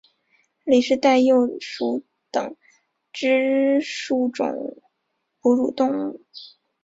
里氏袋鼬属等之数种哺乳动物。